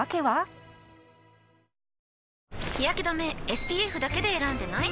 ＳＰＦだけで選んでない？